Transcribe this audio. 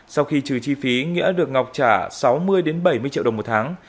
sau khi trừ chi phí nghĩa được ngọc trả sáu mươi bảy mươi triệu đồng một tháng